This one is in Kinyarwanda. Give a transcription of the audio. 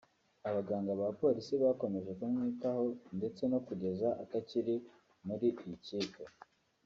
abaganga ba Police bakomeje kumwitaho ndetse no kugeza atakiri muri iyi kipe